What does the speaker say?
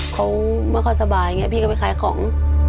เขาไม่ค่อยสบายอย่างนี้พี่ก็ไปขายของ